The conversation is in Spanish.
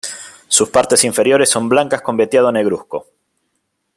Sus partes inferiores son blancas con veteado negruzco.